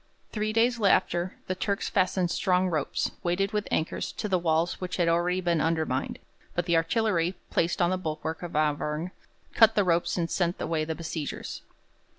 Three days after, the Turks fastened strong ropes, weighted with anchors, to the walls which had already been undermined; but the artillery, placed on the bulwark of Auvergne, cut the ropes and sent away the besiegers.